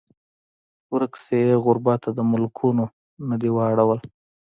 ورک شې ای غربته د ملکونو نه دې واړول